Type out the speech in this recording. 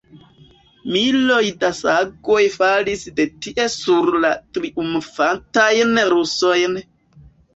Miloj da sagoj falis de tie sur la triumfantajn rusojn!